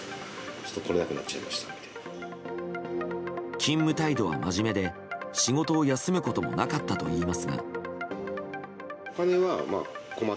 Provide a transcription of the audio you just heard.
勤務態度はまじめで仕事を休むこともなかったといいますが。